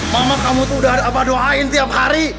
mama kamu itu sudah abah doain tiap hari